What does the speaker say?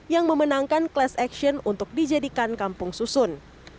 yang memenangkan kelas aksion untuk dijadikan kampung susun